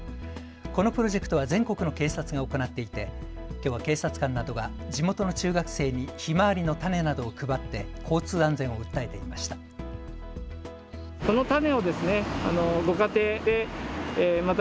このプロジェクトは全国の警察が行っていてきょうは警察官などが地元の中学生にひまわりの種などを配って交通安全を訴えていました。